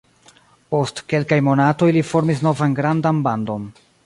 Post kelkaj monatoj li formis novan grandan bandon.